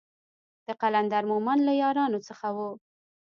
د قلندر مومند له يارانو څخه و.